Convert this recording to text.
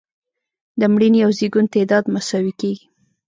د مړینې او زیږون تعداد مساوي کیږي.